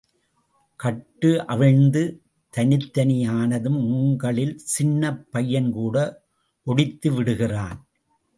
கட்டு அவிழ்ந்து தனித்தனியானதும் உங்களில் சின்னப் பையன்கூட ஒடித்துவிடுகிறான்.